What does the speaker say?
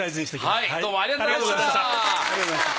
はいどうもありがとうございました。